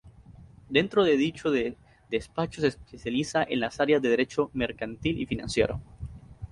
Dentro de dicho despacho se especializa en las áreas de derecho mercantil y financiero.